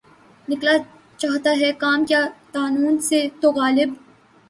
نکالا چاہتا ہے کام کیا طعنوں سے تو؟ غالبؔ!